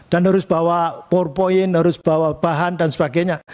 dan harus bawa powerpoint harus bawa bahan dan sebagainya